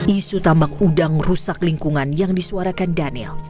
isu tambak udang rusak lingkungan yang disuarakan daniel